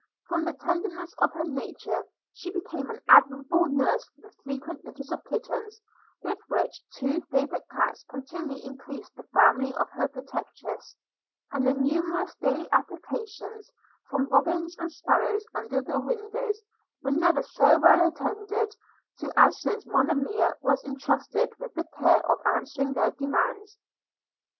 From the tenderness of her nature she became an admirable nurse for the frequent litters of kittens, with which two favourite cats continually increased the family of her protectress; and the numerous daily applications from robins and sparrows under the windows, were never so well attended to as since Monimia was entrusted with the care of answering their demands.